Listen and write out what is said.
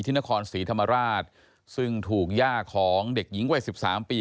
นครศรีธรรมราชซึ่งถูกย่าของเด็กหญิงวัยสิบสามปี